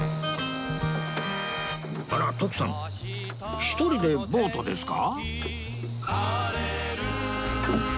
あら徳さん１人でボートですか？